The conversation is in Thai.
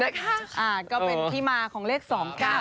ก็เป็นที่มาของเลข๒๙